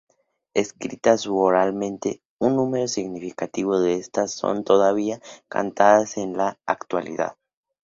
Escritas u oralmente, un número significativo de estas son todavía cantadas en la actualidad.